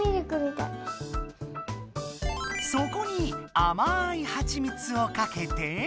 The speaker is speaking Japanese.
そこにあまいはちみつをかけて。